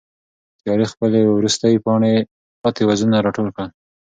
تیارې خپل وروستي پاتې وزرونه را ټول کړل.